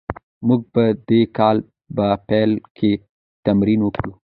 موږ به د کال په پیل کې تمرین وکړو.